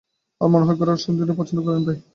আমার মনে হয় গোরা যে সুচরিতাকে পছন্দ করে না তা নয়।